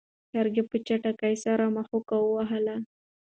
چرګې په چټکۍ سره مښوکه وهله.